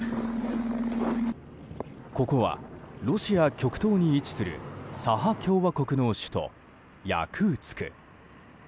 ここは、ロシア極東に位置するサハ共和国の首都ヤクーツク。